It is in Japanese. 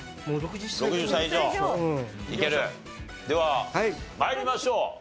では参りましょう。